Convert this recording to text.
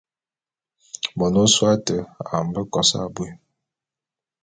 Mon ôsôé ate a mbe kos abui.